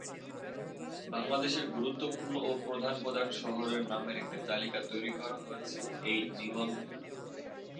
বাংলাদেশের গুরুত্বপূর্ণ ও প্রধান প্রধান শহরের নামের একটি তালিকা তৈরী করা হয়েছে এই নিবন্ধে।